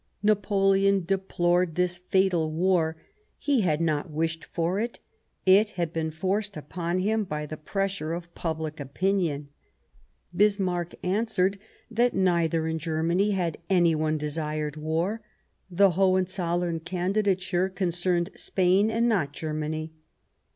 137 Bismarck Napoleon deplored this fatal war ; he had not wished for it ; it had been forced upon him by the pressure of public opinion. Bismarck answered that neither in Germany had any one desired war ; the Hohenzollern Candidature concerned Spain, and not Germany.